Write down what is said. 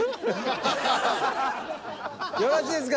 よろしいですか？